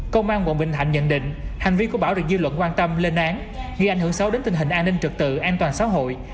công an quận bình thạnh nhận định hành vi của bảo được dư luận quan tâm lên án ghi ảnh hưởng xấu đến tình hình an ninh trực tự an toàn xã hội